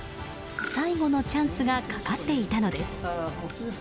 最後のチャンスがかかっていたのです。